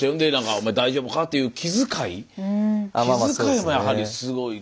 お前大丈夫かという気遣い気遣いもやはりすごいですね。